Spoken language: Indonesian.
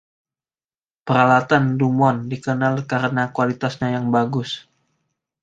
Peralatan DuMont dikenal karena kualitasnya yang bagus.